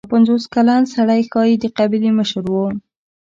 هغه پنځوس کلن سړی ښايي د قبیلې مشر و.